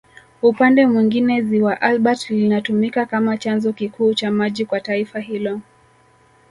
Upande mwingine Ziwa Albert linatumika kama chanzo kikuu cha maji kwa taifa hilo